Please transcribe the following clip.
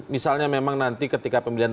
misalnya memang nanti ketika pemilihan